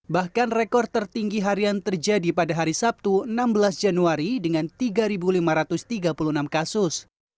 bahkan rekor tertinggi harian terjadi pada hari sabtu enam belas januari dengan tiga lima ratus tiga puluh enam kasus